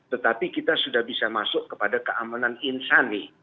tetapi kita sudah bisa masuk kepada keamanan insani